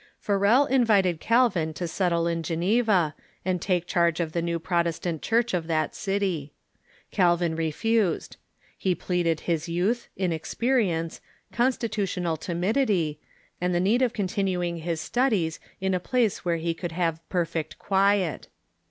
Farel invited Calvin to settle in Geneva, and take charge of the new Protestant Church of that city. Calvin refused. He pleaded his youth, inexperience, constitutional Calvin and Farel '■..^.,*^^, i /^• i • x t timidity, and the need oi continuing his studies in a place where he could have perfect quiet.